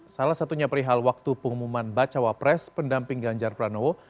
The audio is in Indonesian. salah satunya perihal waktu pengumuman bacawa pres pendamping ganjar pranowo